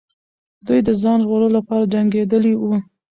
دوی د ځان ژغورلو لپاره جنګېدلې وو.